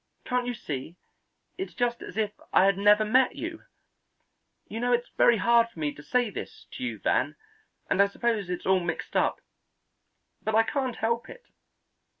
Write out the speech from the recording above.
Can't you see, it's just as if I had never met you. You know it's very hard for me to say this to you, Van, and I suppose it's all mixed up, but I can't help it.